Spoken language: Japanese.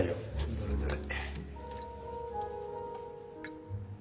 どれどれ。